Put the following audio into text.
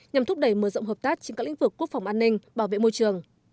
nhằm thúc đẩy mở rộng hợp tác trên các lĩnh vực quốc phòng an ninh bảo vệ môi trường